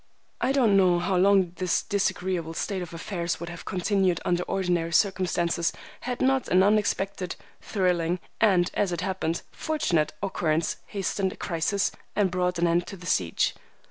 I don't know how long this disagreeable state of affairs would have continued under ordinary circumstances, had not an unexpected, thrilling, and, as it happened, fortunate occurrence hastened a crisis and brought an end to the siege.